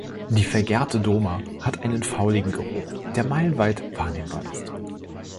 Die vergärte Doma hat einen fauligen Geruch, der meilenweit wahrnehmbar ist.